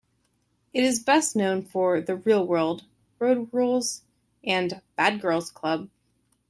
It is best known for "The Real World", "Road Rules", and "Bad Girls Club".